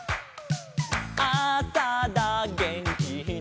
「あさだげんきだ」